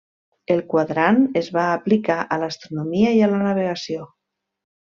El quadrant es va aplicar a l'astronomia i a la navegació.